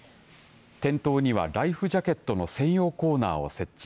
店頭にはライフジャケットの専用コーナーを設置。